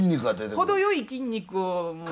程よい筋肉をもう。